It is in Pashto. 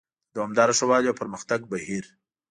د دوامداره ښه والي او پرمختګ بهیر: